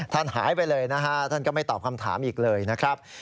ท่านหายไปเลยนะฮะท่านก็ไม่ตอบคำถามอีกเลยนะครับ